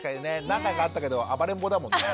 何回か会ったけど暴れん坊だもんね。